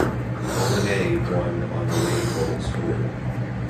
Bologna won on away goals rule.